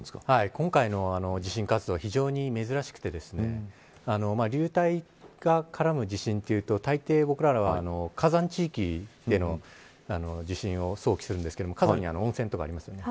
今回の地震活動は非常に珍しくて流体が絡む地震というとたいてい僕らは火山地域での地震を想起するんですけど火山には温泉とかありますよね。